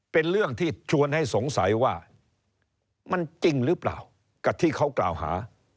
เป็นเรื่องที่ชวนให้สงสัยว่ามันจริงหรือเปล่ากับที่เขากล่าวหา